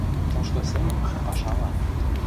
Тошто семын, пашалан